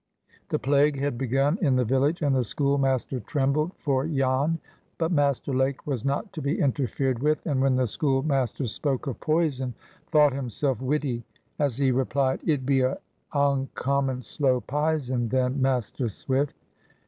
The plague had begun in the village, and the schoolmaster trembled for Jan. But Master Lake was not to be interfered with, and, when the schoolmaster spoke of poison, thought himself witty as he replied,— "It be a uncommon slow pison then, Master Swift."